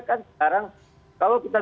kan sekarang kalau kita